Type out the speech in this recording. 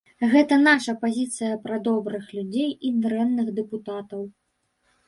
Гэта наша пазіцыя пра добрых людзей і дрэнных дэпутатаў.